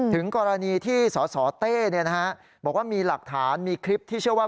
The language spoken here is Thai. ถึงกรณีที่สสเต้บอกว่ามีหลักฐานมีคลิปที่เชื่อว่า